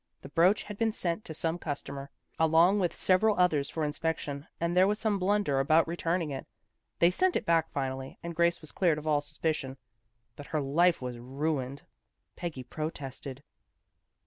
The brooch had been sent to some customer, along with several others for inspection, and there was some blunder about returning it. They sent it back finally, and Grace was cleared of all suspicion, but her life was ruined." Peggy protested.